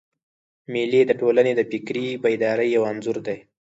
مېلې د ټولني د فکري بیدارۍ یو انځور دئ.